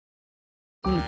うん。